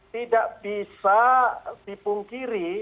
tidak bisa dipungkiri